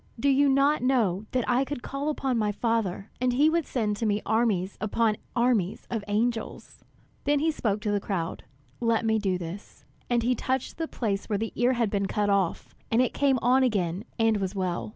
Do you not know that I could call upon my Father, and he would send to me armies upon armies of angels?" Then he spoke to the crowd, "Let me do this." And he touched the place where the ear had been cut off, and it came on again and was well.